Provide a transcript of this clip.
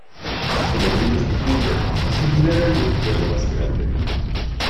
Su ladrido es profundo, similar al de un perro más grande.